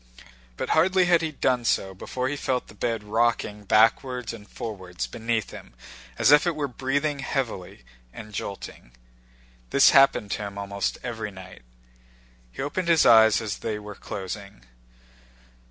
But hardly had he done so before he felt the bed rocking backwards and forwards beneath him as if it were breathing heavily and jolting. This happened to him almost every night. He opened his eyes as they were closing.